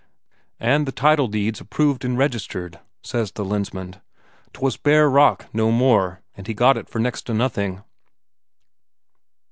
"And the title deeds approved and registered," says the Lensmand. "'Twas bare rock, no more, and he got it for next to nothing."